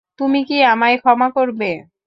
তুমি কি আমায় ক্ষমা করবে?